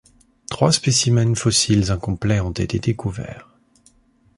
Trois spécimens fossiles incomplets ont été découverts.